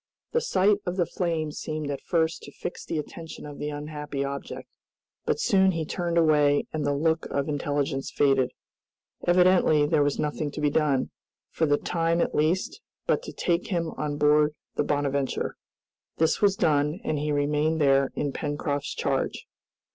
The sight of the flame seemed at first to fix the attention of the unhappy object, but soon he turned away and the look of intelligence faded. Evidently there was nothing to be done, for the time at least, but to take him on board the "Bonadventure." This was done, and he remained there in Pencroft's charge.